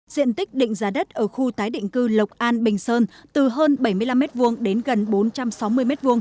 diện tích định giá đất ở khu tái định cư lộc an bình sơn từ hơn bảy mươi năm m hai đến gần bốn trăm sáu mươi m hai